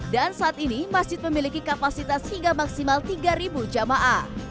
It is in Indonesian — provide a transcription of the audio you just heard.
dan saat ini masjid memiliki kapasitas hingga maksimal tiga jamaah